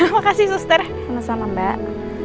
makasih suster salam mbak